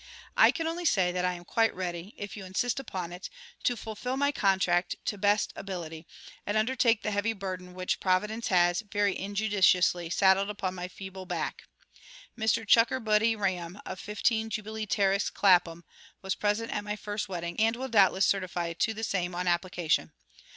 I can only say that I am quite ready (if you insist upon it) to fulfil my contract to best ability, and undertake the heavy burden which Providence has, very injudiciously, saddled upon my feeble back. Mr CHUCKERBUTTY RAM, of 15 Jubilee Terrace, Clapham, was present at my first wedding, and will doubtless certify to same on application.